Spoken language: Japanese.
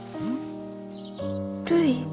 るい。